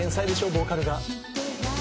ボーカルが」